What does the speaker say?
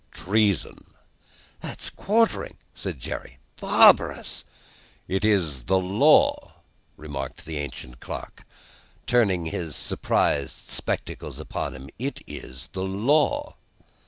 "Treason!" "That's quartering," said Jerry. "Barbarous!" "It is the law," remarked the ancient clerk, turning his surprised spectacles upon him. "It is the law."